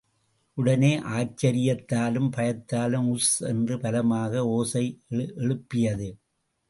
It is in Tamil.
உடனே ஆச்சரியத் தாலும், பயத்தாலும் உஸ்ஸ்... என்று பலமாக ஓசை எழுப் பியது.